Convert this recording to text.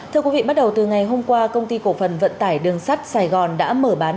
thưa quý vị bắt đầu từ ngày hôm qua công ty cổ phần vận tải đường sắt sài gòn đã mở bán